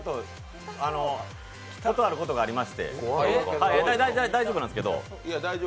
あることがありまして大丈夫なんですけど。